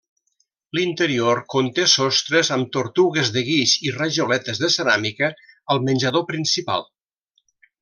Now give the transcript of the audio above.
L'interior conté sostres amb tortugues de guix i rajoletes de ceràmica al menjador principal.